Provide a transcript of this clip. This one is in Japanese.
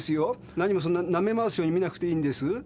何もそんななめ回すように見なくていいんです。